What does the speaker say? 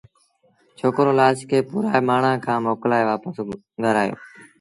ڇوڪرو لآش کي پورآئي مآڻهآݩ کآݩ موڪلآئي وآپس گھر آيو